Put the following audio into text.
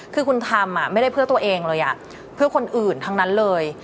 คือคุณทำไม่ได้เพื่อตัวเองเลยเพื่อคนอื่นทั้งนั้นเลย